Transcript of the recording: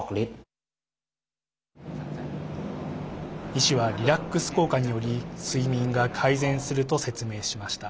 医師はリラックス効果により睡眠が改善すると説明しました。